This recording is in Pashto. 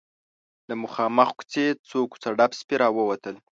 له مخامخ کوڅې څو کوڅه ډب سپي راووتل.